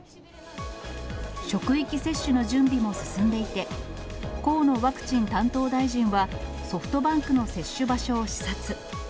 職域接種の準備も進んでいて、河野ワクチン担当大臣はソフトバンクの接種場所を視察。